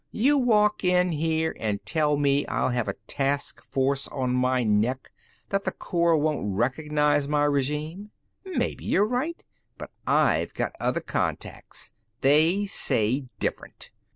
"You walk in here and tell me I'll have a task force on my neck, that the Corps won't recognize my regime. Maybe you're right. But I've got other contacts. They say different."